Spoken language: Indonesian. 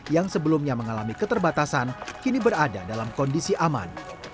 yang sebelumnya mengalami keterbatasan kini berada dalam kondisi aman